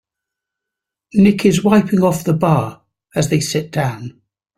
Nick is wiping off the bar as they sit down.